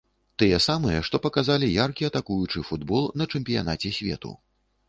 Тыя самыя, што паказалі яркі атакуючы футбол на чэмпіянаце свету.